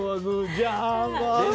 ジャーン！